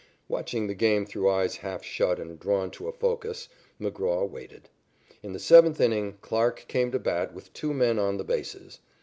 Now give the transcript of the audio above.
Watching the game through eyes half shut and drawn to a focus, McGraw waited. In the seventh inning Clarke came to bat with two men on the bases.